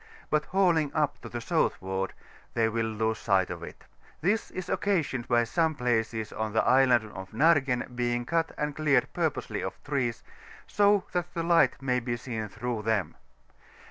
but hauling up to the soutibward, lAiej will lose sight of it : this is occasioned by some places on the Island of Naigen being cut and cleared purposely of trees, so that the light may be seen through them.